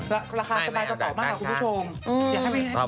ราคาสบายกระเป๋ามากค่ะคุณผู้ชม